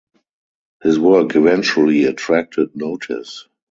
His work eventually attracted notice.